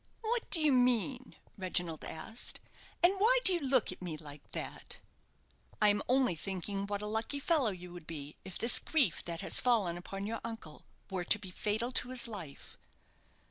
"What do you mean?" Reginald asked; "and why do you look at me like that?" "I am only thinking what a lucky fellow you would be if this grief that has fallen upon your uncle were to be fatal to his life."